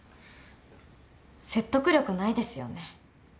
説得力ないですよね